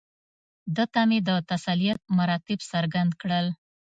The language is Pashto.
ده ته مې د تسلیت مراتب څرګند کړل.